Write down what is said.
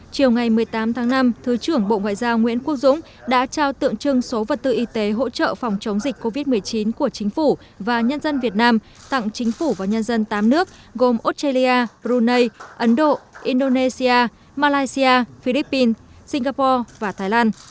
chiều ngày một mươi tám tháng năm thứ trưởng bộ ngoại giao nguyễn quốc dũng đã trao tượng trưng số vật tư y tế hỗ trợ phòng chống dịch covid một mươi chín của chính phủ và nhân dân việt nam tặng chính phủ và nhân dân tám nước gồm australia brunei ấn độ indonesia malaysia philippines singapore và thái lan